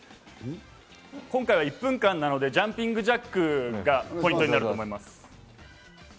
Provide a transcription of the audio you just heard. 今回は１分間なので、ジャンピングジャックがポイントになると思います。